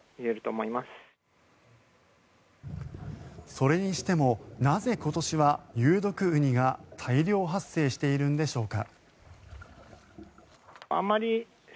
それにしても、なぜ今年は有毒ウニが大量発生しているんでしょうか。